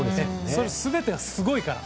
その全てがすごいから。